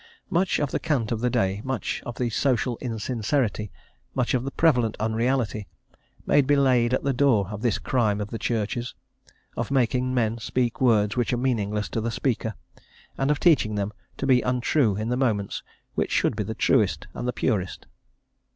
Much of the cant of the day, much of the social insincerity, much of the prevalent unreality, may be laid at the door of this crime of the Churches, of making men speak words which are meaningless to the speaker, and of teaching them to be untrue in the moments which should be the truest and the purest.